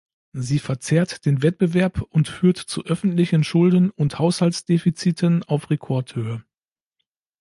Sie verzerrt den Wettbewerb und führt zu öffentlichen Schulden und Haushaltsdefiziten auf Rekordhöhe.